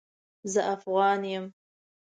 زه افغان يم